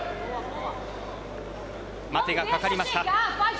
待てがかかりました。